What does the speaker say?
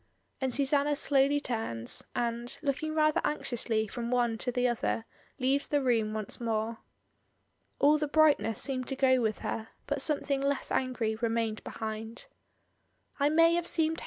And Susanna slowly turns, and, looking rather anxiously from one to the other, leaves the room once more. All the bright ness seemed to go with her, but something less angry remained behind. "I may have seemed.